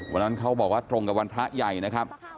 วันนั้นเขาบอกว่าตรงกับวันพระใหญ่นะครับ